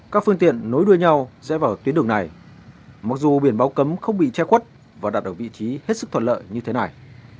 các phương tiện nối đuôi nhau sẽ vào tuyến đường này mặc dù biển báo cấm không bị che khuất và đạt được vị trí hết sức thuận lợi như thế này